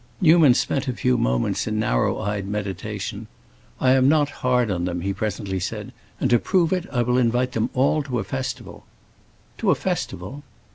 Newman spent a few moments in narrow eyed meditation. "I am not hard on them," he presently said, "and to prove it I will invite them all to a festival." "To a festival?"